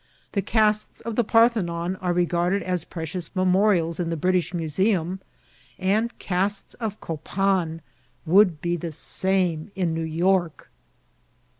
The casts of the Parthenon are regarded as precious memorials in the British Museum, and casts of Copan would be the same in New York.